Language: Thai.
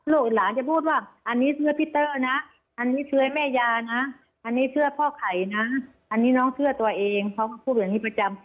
หลานจะพูดว่าอันนี้เสื้อพี่เตอร์นะอันนี้เชื่อแม่ยานะอันนี้เชื่อพ่อไข่นะอันนี้น้องเชื่อตัวเองเขาก็พูดแบบนี้ประจำ